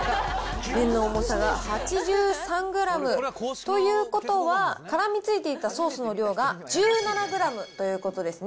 麺の重さが８３グラム、ということは、からみついていたソースの量が１７グラムということですね。